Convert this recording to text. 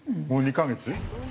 もう２カ月？